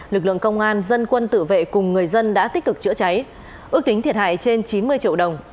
lực lượng công an dân quân tự vệ cùng người dân đã tích cực chữa cháy ước tính thiệt hại trên chín mươi triệu đồng